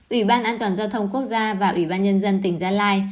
ủy ban an toàn giao thông quốc gia và ủy ban nhân dân tỉnh gia lai